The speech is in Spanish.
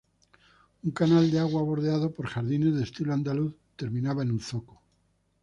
Un canal de agua bordeado por jardines de estilo andaluz terminaba en un zoco.